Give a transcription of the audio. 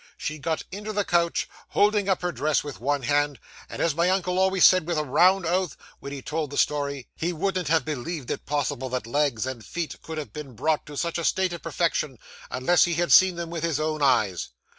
She got into the coach, holding up her dress with one hand; and as my uncle always said with a round oath, when he told the story, he wouldn't have believed it possible that legs and feet could have been brought to such a state of perfection unless he had seen them with his own eyes.